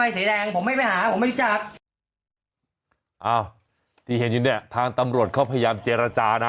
ผมจะมาหาออแม่จาะนี่เนี่ยทางตำรวจข้อพยายามเจรจาน่ะ